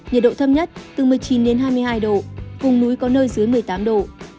nhiệt độ thấp nhất từ một mươi chín đến hai mươi hai độ vùng núi có nơi dưới một mươi tám độ